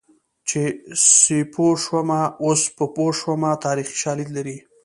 چې سیپو شومه اوس په پوه شومه تاریخي شالید لري